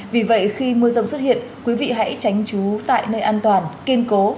vì vậy khi mưa rông xuất hiện quý vị hãy tránh trú tại nơi an toàn kiên cố